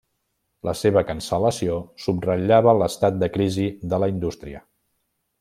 La seva cancel·lació subratllava l'estat de crisi de la indústria.